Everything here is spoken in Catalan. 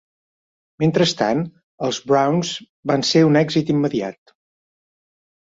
Mentrestant, els Browns van ser un èxit immediat.